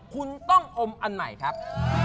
คุณต้องอมอันใหม่ครับ